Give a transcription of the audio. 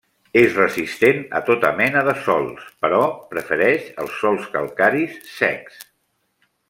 És resistent a tota mena de sòls, però prefereix els sòls calcaris, secs.